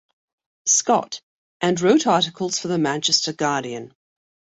Scott, and wrote articles for the Manchester Guardian.